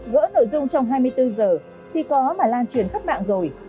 gỡ nội dung trong hai mươi bốn giờ thì có mà lan truyền khắp mạng rồi